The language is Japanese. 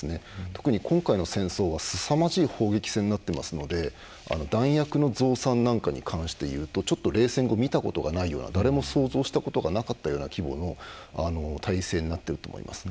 特に今回の戦争はすさまじい攻撃戦になっていますので弾薬の増産に関していうとちょっと冷戦後見たことないような誰も想像したことがなかったような規模の体制になっていると思います。